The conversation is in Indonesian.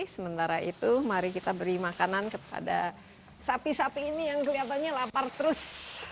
sementara itu mari kita beri makanan kepada sapi sapi ini yang kelihatannya lapar terus